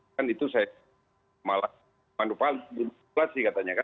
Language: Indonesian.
kan itu saya malah manupasi katanya kan